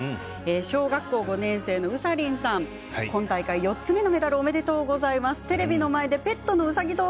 小学校５年生の方から今大会４つ目のメダルおめでとうございます。